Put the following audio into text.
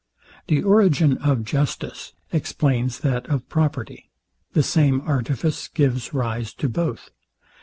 The origin of justice explains that of property. The same artifice gives rise to both.